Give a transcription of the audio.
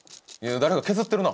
誰か削ってるな！